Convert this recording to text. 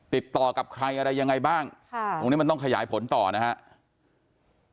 ติดต่อกับใครอะไรยังไงบ้างตรงนี้มันต้องขยายผลต่อนะครับ